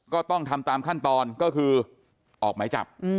ก็ต้องทำตามขั้นตอนก็คือออกหมายจับ